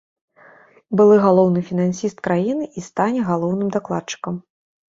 Былы галоўны фінансіст краіны і стане галоўным дакладчыкам.